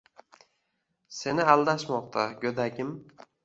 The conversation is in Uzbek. Seni aldashmoqda, go'dagim.